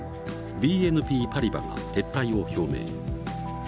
ＢＮＰパリバが撤退を表明。